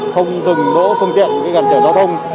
không dùng đỗ phương tiện gắn trở giao thông